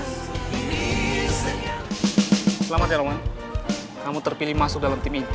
selamat ya roman kamu terpilih masuk dalam tim ini